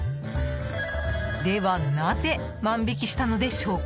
では、なぜ万引きしたのでしょうか？